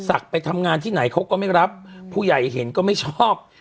ไปทำงานที่ไหนเขาก็ไม่รับผู้ใหญ่เห็นก็ไม่ชอบ